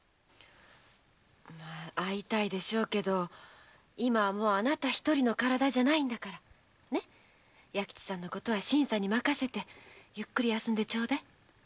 会いたいでしょうけど今はあなた一人の体じゃないんだから弥吉さんのことは新さんに任せてゆっくり休んでちょうだい。